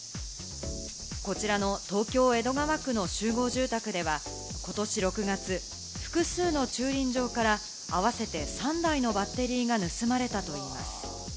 こちらの東京・江戸川区の集合住宅では、ことし６月、複数の駐輪場から合わせて３台のバッテリーが盗まれたといいます。